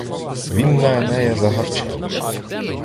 Він на Енея загарчав.